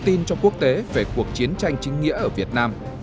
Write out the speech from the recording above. thủ quốc tế về cuộc chiến tranh chính nghĩa ở việt nam